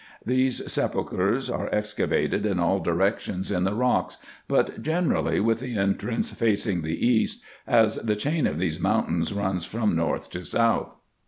These sepulchres are excavated in all directions in the rocks, but generally with the entrance facing the east, as the chain of these mountains runs from north to south.